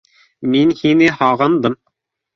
Мин һине һағындым